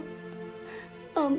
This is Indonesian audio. ya allah ya rabb